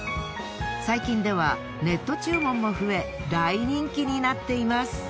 最近ではネット注文も増え大人気になっています。